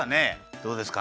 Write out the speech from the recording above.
どうですか？